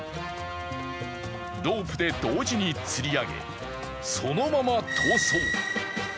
ロープで同時につり上げ、そのまま逃走。